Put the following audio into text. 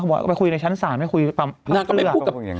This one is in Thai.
เขาบอกว่าไปคุยในชั้นศาลไม่คุยภาพเผื่อ